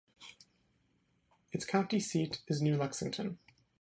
Its county seat is New Lexington.